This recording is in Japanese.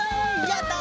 やった！